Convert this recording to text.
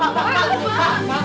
pak pak pak